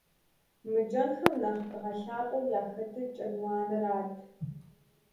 Мы кӀэнхэм нэхъ дгъэлъапӀэу яхэтыр «кӀэнуанэрат».